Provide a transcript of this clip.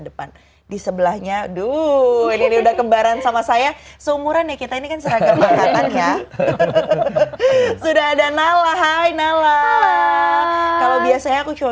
dan sebelahnya tentunya harus langsung kita kenalin